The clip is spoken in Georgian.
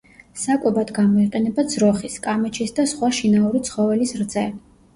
საკვებად გამოიყენება ძროხის, კამეჩის და სხვა შინაური ცხოველის რძე.